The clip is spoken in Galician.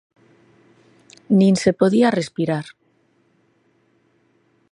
Nin se podía respirar.